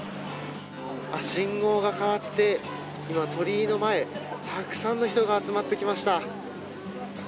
信号が変わって今、鳥居の前たくさんの人が集まってきました。